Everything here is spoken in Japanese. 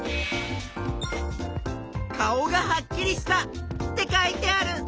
「顔がはっきりした」って書いてある！